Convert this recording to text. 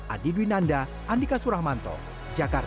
andi dwi nanda andika suramanto jakarta